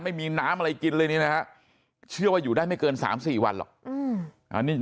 ไม่มีน้ำอะไรกินเลยนี่นะฮะเชื่อว่าอยู่ได้ไม่เกิน๓๔วันหรอก